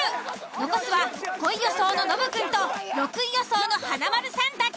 残すは５位予想のノブくんと６位予想の華丸さんだけ。